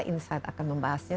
insight akan membahasnya